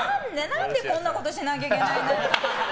何でこんなことしなきゃいけないんだよ。